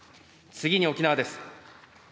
次に沖縄です。